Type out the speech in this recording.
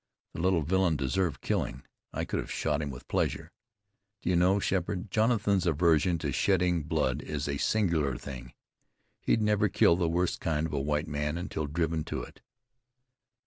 The little villain deserved killing. I could have shot him with pleasure. Do you know, Sheppard, Jonathan's aversion to shedding blood is a singular thing. He'd never kill the worst kind of a white man until driven to it."